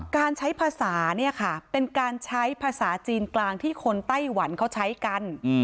การใช้ภาษาเนี่ยค่ะเป็นการใช้ภาษาจีนกลางที่คนไต้หวันเขาใช้กัน